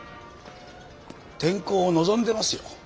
転校を望んでますよ。